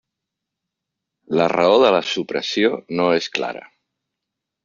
La raó de la supressió no és clara.